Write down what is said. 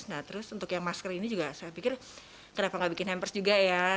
nah terus untuk yang masker ini juga saya pikir kenapa gak bikin hampers juga ya